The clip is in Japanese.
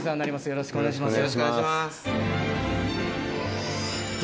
よろしくお願いします。